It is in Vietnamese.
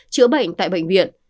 chữa bệnh tại bệnh viện